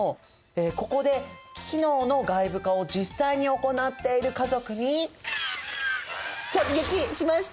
ここで機能の外部化を実際に行っている家族に直撃しました！